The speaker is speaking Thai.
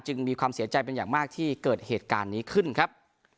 มีความเสียใจเป็นอย่างมากที่เกิดเหตุการณ์นี้ขึ้นครับ